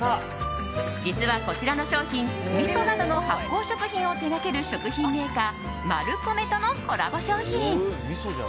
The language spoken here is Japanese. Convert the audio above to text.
実はこちらの商品みそなどの発酵食品を手掛ける食品メーカー、マルコメとのコラボ商品。